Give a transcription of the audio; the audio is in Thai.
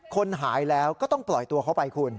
คนหายแล้วก็ต้องปล่อยตัวเข้าไปคุณ